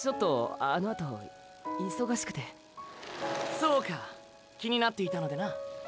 そうか気になっていたのでな。